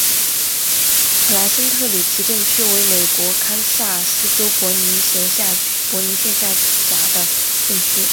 普莱森特里奇镇区为美国堪萨斯州波尼县辖下的镇区。